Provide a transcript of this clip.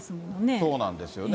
そうなんですよね。